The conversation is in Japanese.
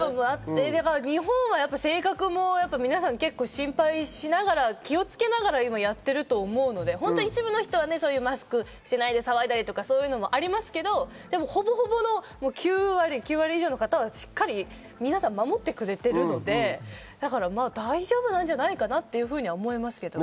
日本は性格も皆さん心配しながら、気をつけながら今やってると思うので、一部の人はマスクをしないで騒いだりとか、そういうのもありますけど、ほぼほぼ９割以上の方はしっかり皆さん持ってくれているので、大丈夫なんじゃないかなというふうに思いますけどね。